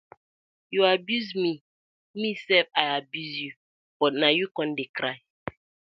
Yu abuse mi mi sef I abuse yu but na yu com de cry.